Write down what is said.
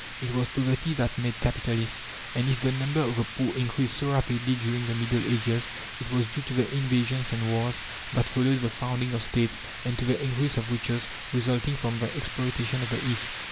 It was poverty that made capitalists. And if the number of the poor increased so rapidly during the Middle Ages, it was due to the invasions and wars that followed the founding of States, and to the increase of riches resulting from the exploitation of the East.